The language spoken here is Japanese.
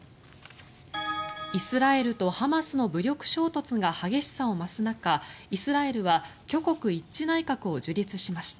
イスラエルとハマスの武力衝突が激しさを増す中イスラエルは挙国一致内閣を樹立しました。